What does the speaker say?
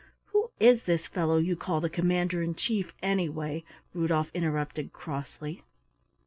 "Who is this fellow you call the Commander in Chief, anyway?" Rudolf interrupted crossly.